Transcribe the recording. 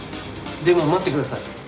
でも待ってください。